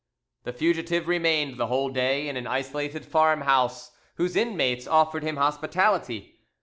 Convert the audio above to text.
The fugitive remained the whole day in an isolated farmhouse whose inmates offered him hospitality.